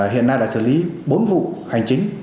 hiện nay đã xử lý bốn vụ hành chính